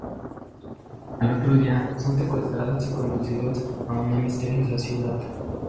Al otro día, son secuestrados y conducidos a una misteriosa ciudad.